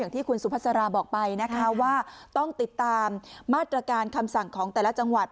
ที่คุณสุภาษาราบอกไปนะคะว่าต้องติดตามมาตรการคำสั่งของแต่ละจังหวัด